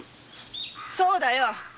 そうだよ。